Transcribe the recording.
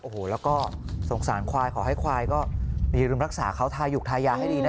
โอ้โหแล้วก็สงสารควายขอให้ควายก็อย่าลืมรักษาเขาทาหยุกทายาให้ดีนะ